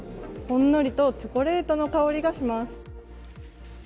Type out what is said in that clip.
ほんのりとチョコレートの香りがします。